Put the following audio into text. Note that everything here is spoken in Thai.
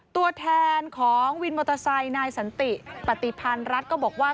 ตัวแทนของวินมอเตอร์ไซค์นายสันติปฏิพันธ์รัฐก็บอกว่า